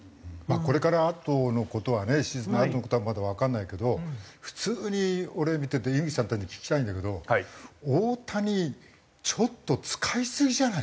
これからあとの事はねシーズンのあとの事はまだわかんないけど普通に俺見てて井口さんたちに聞きたいんだけど大谷ちょっと使いすぎじゃない？